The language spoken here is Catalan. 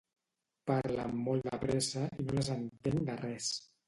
Parlen molt de pressa i no les entenc de res